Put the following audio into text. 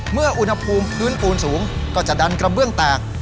เมื่ออุณหภูมิพื้นปูนสูงก็จะดันกระเบื้องแตก